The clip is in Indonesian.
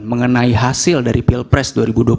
mengenai hasil dari pilpres dua ribu dua puluh